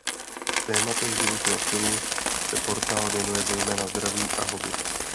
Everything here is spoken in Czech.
V tématech životního stylu se portál věnuje zejména zdraví a hobby.